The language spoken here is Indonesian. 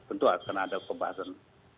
tentu akan ada pembahasan